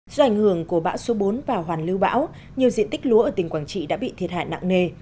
do ảnh hưởng của bão số bốn và hoàn lưu bão nhiều diện tích lúa ở tỉnh quảng trị đã bị thiệt hại nặng nề